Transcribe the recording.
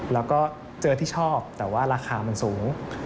แล้วก็เจอที่ชอบแต่ว่าราคามันสูง